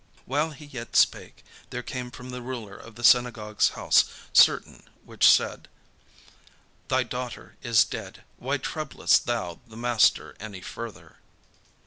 While he yet spake, there came from the ruler of the synagogue's house certain which said: "Thy daughter is dead: why troublest thou the Master any further?"